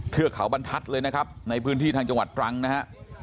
เทือกเขาบรรทัศน์เลยนะครับในพื้นที่ทางจังหวัดตรังนะฮะ